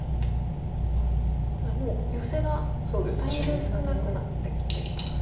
ただもうヨセがだいぶ少なくなってきてると。